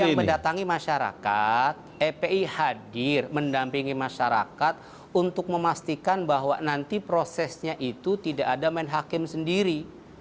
jadi yang mendatangi masyarakat epi hadir mendampingi masyarakat untuk memastikan bahwa nanti prosesnya itu tidak ada main hakim sendiri